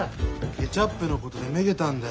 ケチャップのことでめげたんだよ。